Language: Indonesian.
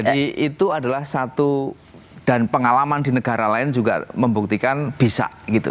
itu adalah satu dan pengalaman di negara lain juga membuktikan bisa gitu